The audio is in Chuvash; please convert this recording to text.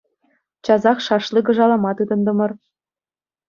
Часах шашлык ӑшалама тытӑнтӑмӑр.